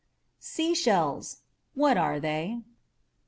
SEASHELLS. . .WHAT ARE THEY?